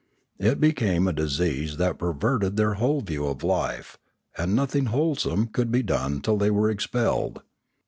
It became a disease that perverted their whole view of life, and nothing wholesome could be done till they were expelled.